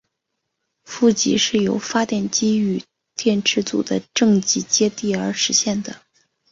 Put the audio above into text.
负极是由发电机与电池组的正极接地而实现的。